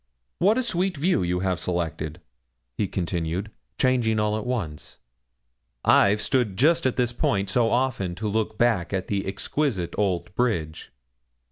What a sweet view you have selected,' he continued, changing all at once. 'I've stood just at this point so often to look back at that exquisite old bridge.